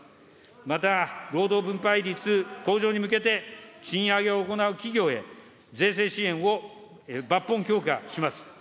また、労働分配率向上に向けて、賃上げを行う企業へ、税制支援を抜本強化します。